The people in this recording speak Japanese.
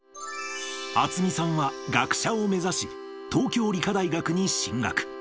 渥美さんは学者を目指し、東京理科大学に進学。